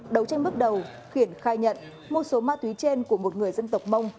đấu tranh bước đầu khiển khai nhận mua số ma túy trên của một người dân tộc mông